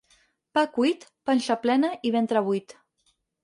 Pa cuit, panxa plena i ventre buit.